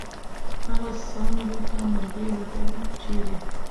هغه څانګو ته مرغي لټوم ، چېرې؟